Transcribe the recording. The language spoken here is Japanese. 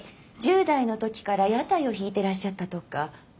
１０代の時から屋台を引いてらっしゃったとか。